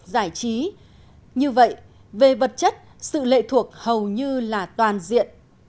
giải trí như vậy về vật chất sự lệ thuộc hầu như là toàn diện